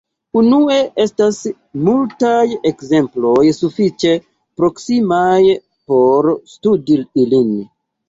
Unue, estas multaj ekzemploj sufiĉe proksimaj por studi ilin.